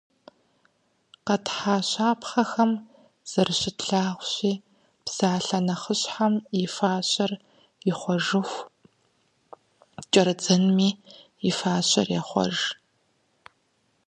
Къэтхьа щапхъэхэм зэрыщытлъагъущи, псалъэ нэхъыщхьэм и фащэр ихъуэжыху кӏэрыдзэнми и фащэр ехъуэж.